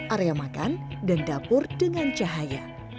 area makan dan dapur dengan cahaya